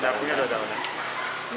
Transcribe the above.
nabungnya dua tahunan